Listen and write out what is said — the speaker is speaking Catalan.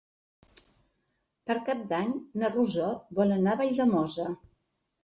Per Cap d'Any na Rosó vol anar a Valldemossa.